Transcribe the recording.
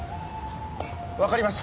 わかりました。